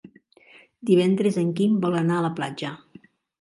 Divendres en Quim vol anar a la platja.